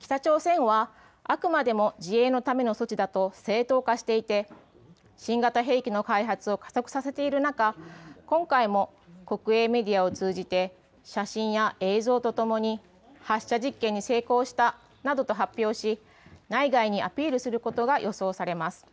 北朝鮮はあくまでも自衛のための措置だと正当化していて新型兵器の開発を加速させている中、今回も国営メディアを通じて写真や映像とともに発射実験に成功したなどと発表し内外にアピールすることが予想されています。